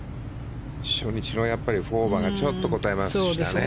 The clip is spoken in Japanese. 初日の４オーバーがちょっとこたえましたね。